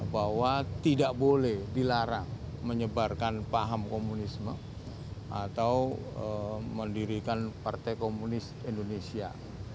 bahwa tidak boleh dilarang menyebarkan paham komunisme atau mendirikan partai komunis indonesia